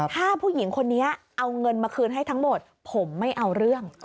ถ้าผู้หญิงคนนี้เอาเงินมาคืนให้ทั้งหมดผมไม่เอาเรื่อง